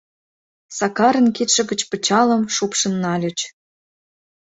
Сакарын кидше гыч пычалым шупшын нальыч: